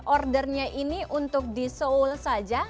ordernya ini untuk di seoul saja